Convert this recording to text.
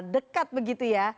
dekat begitu ya